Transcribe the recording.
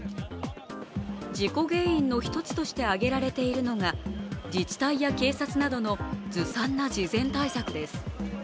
事故原因の１つとして挙げられているのが自治体や警察などのずさんな事前対策です。